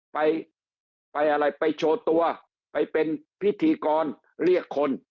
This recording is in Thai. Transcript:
ไปไปอะไรไปโชว์ตัวไปเป็นพิธีกรเรียกคน